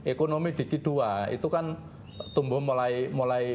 ekonomi di g dua itu kan tumbuh mulai berubah